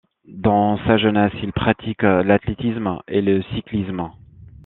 Dans sa jeunesse, il pratique l'athlétisme et le cyclisme.